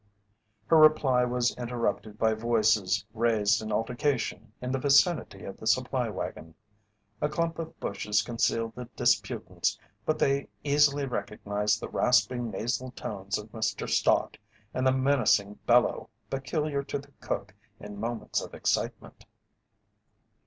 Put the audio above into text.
Her reply was interrupted by voices raised in altercation in the vicinity of the supply wagon. A clump of bushes concealed the disputants, but they easily recognized the rasping nasal tones of Mr. Stott and the menacing bellow peculiar to the cook in moments of excitement.